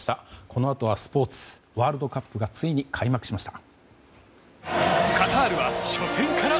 このあとはスポーツワールドカップがついに開幕しました。